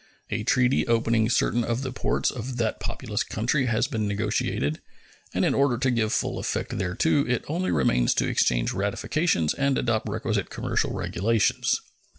A treaty opening certain of the ports of that populous country has been negotiated, and in order to give full effect thereto it only remains to exchange ratifications and adopt requisite commercial regulations.